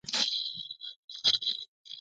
په دغه اطاق کې هر هغه څه پیدا کېدل چې پلورل کېدل.